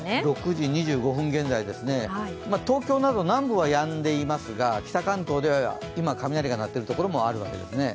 ６時２５分現在、東京など南部はやんでいますが北関東では今、雷が鳴っているところもあるわけですね。